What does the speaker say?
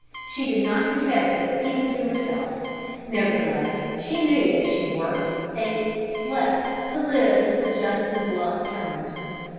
She did not confess it even to herself; nevertheless she knew that she worked, ate, slept, to live until Justin's luck turned.